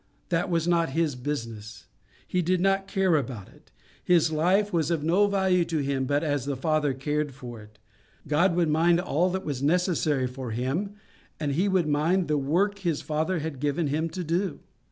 That was not his business. He did not care about it. His life was of no value to Him but as His Father cared for it. God would mind all that was necessary for Him, and He would mind the work His Father had given Him to do.